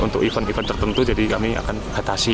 untuk event event tertentu jadi kami akan atasi